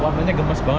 warnanya gemes banget